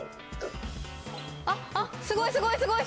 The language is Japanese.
あっすごいすごい！